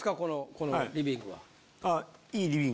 このリビングは。